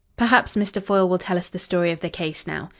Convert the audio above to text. Perhaps Mr. Foyle will tell us the story of the case now.